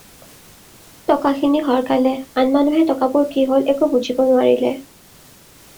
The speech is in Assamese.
টকাখিনি সৰকালে, আন মানুহে টকাবোৰ কি হ'ল একো বুজিব নোৱাৰিলে।